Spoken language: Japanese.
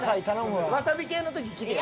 わさび系の時来てよ。